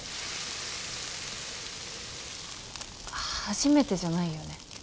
初めてじゃないよね？